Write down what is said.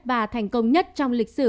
và thành công nhất trong lịch sử